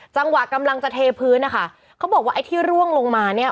จังหวะกำลังจะเทพื้นนะคะเขาบอกว่าไอ้ที่ร่วงลงมาเนี่ย